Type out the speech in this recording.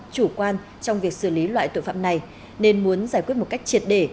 chủ quan trong việc xử lý loại tội phạm này nên muốn giải quyết một cách triệt để